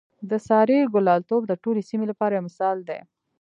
د سارې ګلالتوب د ټولې سیمې لپاره یو مثال دی.